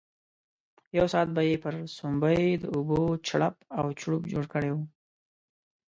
یو ساعت به یې پر سومبۍ د اوبو چړپ او چړوپ جوړ کړی وو.